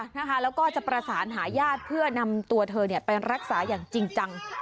แล้วก็จะประสานหาญาติเพื่อนำตัวเธอไปรักษาอย่างจริงจัง